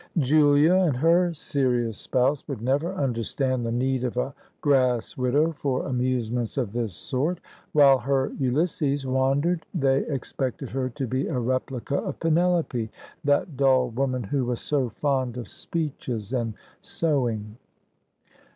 Julia and her serious spouse would never understand the need of a grass widow for amusements of this sort. While her Ulysses wandered they expected her to be a replica of Penelope, that dull woman who was so fond of speeches and sewing.